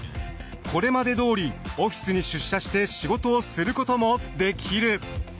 これまでどおりオフィスに出社して仕事をすることもできる。